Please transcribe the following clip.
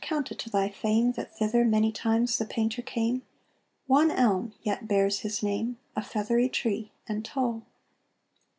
count it to thy fame That thither many times the Painter came; One elm yet bears his name, a feathery tree and tall.